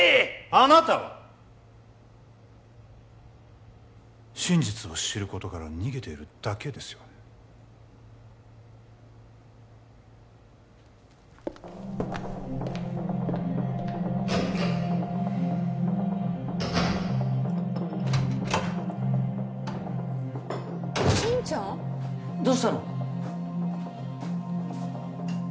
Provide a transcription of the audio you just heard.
あなたは真実を知ることから逃げているだけですよね心ちゃん？どうしたの？